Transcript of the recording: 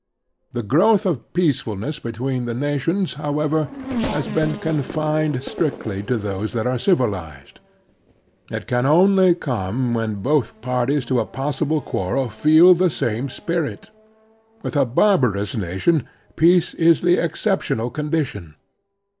The growth of peacefulness between nations, Expansion and Peace 31 however, has been confined strictly to those that are civilized. It can only come when both parties to a possible quarrel feel the same spirit. With a barbarous nation peace is the exceptional con dition.